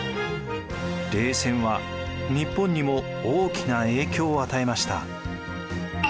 冷戦は日本にも大きな影響を与えました。